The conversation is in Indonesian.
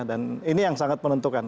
dan ini yang sangat menentukan